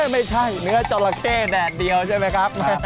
ไม่ใช่เนื้อจราเข้แดดเดียวใช่ไหมครับ